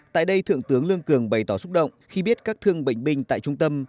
tại đây thượng tướng lương cường bày tỏ xúc động khi biết các thương bệnh binh tại trung tâm